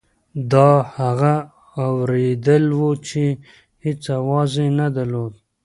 دا هغه اورېدل وو چې هېڅ اواز یې نه درلود.